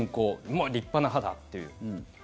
もう立派な歯だという。